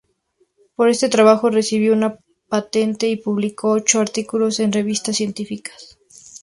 Por este trabajó recibió una patente y publicó ocho artículos en revistas científicas.